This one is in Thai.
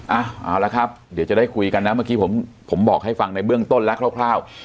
เอาละครับเดี๋ยวจะได้คุยกันนะเมื่อกี้ผมบอกให้ฟังในเบื้องต้นแล้วคร่าว